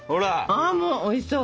ああもうおいしそう！